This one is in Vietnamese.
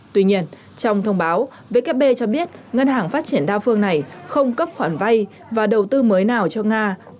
tuy nhiên trong thông báo vkp cho biết ngân hàng phát triển đa phương này không cấp khoản vay và đầu tư mới nào cho nga